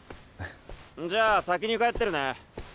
じゃあ先に帰ってるね。